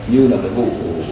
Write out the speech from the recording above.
như là cái vụ